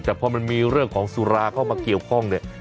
แต่พอมันมีเรื่องของสุราเข้ามาเกี่ยวข้องเนี่ย